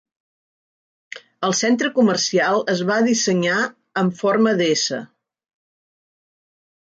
El centre comercial es va dissenyar amb forma de "S".